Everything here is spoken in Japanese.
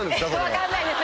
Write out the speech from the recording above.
分かんないんです。